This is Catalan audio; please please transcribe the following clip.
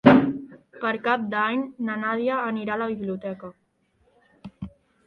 Per Cap d'Any na Nàdia anirà a la biblioteca.